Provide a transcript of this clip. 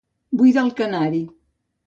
Buidar el canari.